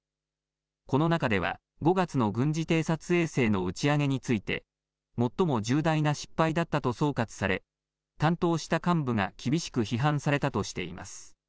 この中では、５月の軍事偵察衛星の打ち上げについて、最も重大な失敗だったと総括され、担当した幹部が厳しく批判されたとしています。